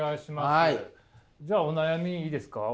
じゃあお悩みいいですか？